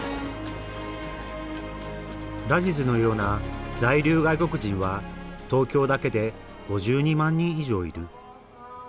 ラジズのような在留外国人は東京だけで５２万人以上いる。